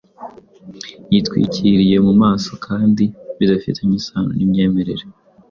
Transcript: yitwikiriye mu maso kandi bidafitanye isano n’imyemerere